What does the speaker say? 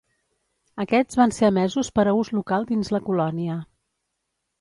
Aquests van ser emesos per a ús local dins la colònia.